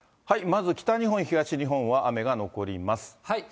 まず、北日本、東日本は雨が残ります。